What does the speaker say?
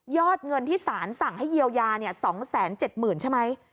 เงินที่สารสั่งให้เยียวยา๒๗๐๐๐ใช่ไหม